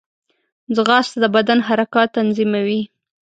ځغاسته د بدن حرکات تنظیموي